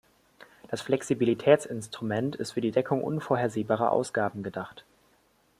Das Flexibilitätsinstrument ist für die Deckung unvorhersehbarer Ausgaben gedacht.